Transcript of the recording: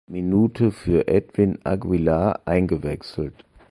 Minute für Edwin Aguilar eingewechselt.